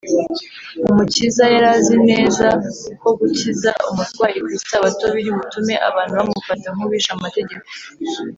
umukiza yari azi neza ko gukiza umurwayi ku isabato biri butume abantu bamufata nk’uwishe amategeko,